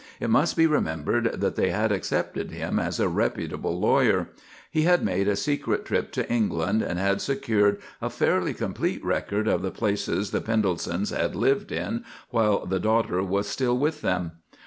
It must be remembered that they had accepted him as a reputable lawyer. He had made a secret trip to England and had secured a fairly complete record of the places the Pendeltons had lived in while the daughter was still with them.